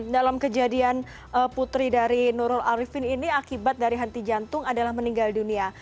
dalam kejadian putri dari nurul arifin ini akibat dari henti jantung adalah meninggal dunia